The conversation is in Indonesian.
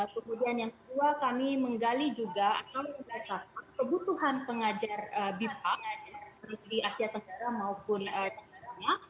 kemudian yang kedua kami menggali juga atau mendata kebutuhan pengajar bipa di asia tenggara maupun di sana